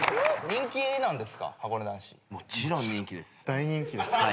大人気です。